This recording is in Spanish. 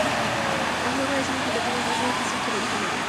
El juego es significativamente más difícil que el original.